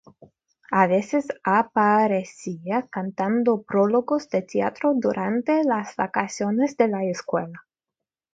A veces aparecía cantando prólogos de teatro durante las vacaciones de la escuela.